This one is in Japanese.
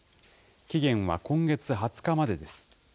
期限は今月２０日までです。